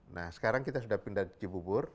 nah sekarang kita sudah pindah di cibubur